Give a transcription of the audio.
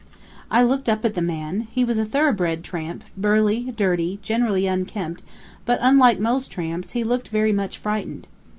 I looked up at the man, he was a thoroughbred tramp, burly, dirty, generally unkempt, but, unlike most tramps, he looked very much frightened.